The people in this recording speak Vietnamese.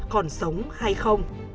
còn sống hay không